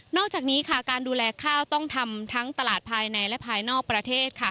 อกจากนี้การดูแลข้าวต้องทำทั้งตลาดภายในและภายนอกประเทศ